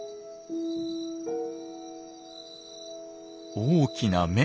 大きな目！